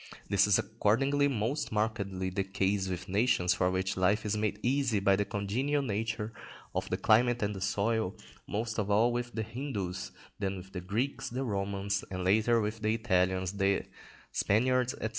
This is accordingly most markedly the case with nations for which life is made easy by the congenial nature of the climate and the soil, most of all with the Hindus, then with the Greeks, the Romans, and later with the Italians, the Spaniards, &c.